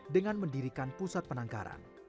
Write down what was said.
dengan mendirikan pusat penangkaran